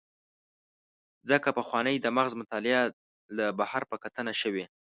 ځکه پخوانۍ د مغز مطالعه له بهر په کتنه شوې.